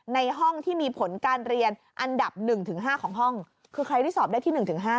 ในห้องที่มีผลการเรียนอันดับ๑๕ของห้องคือใครที่สอบได้ที่๑๕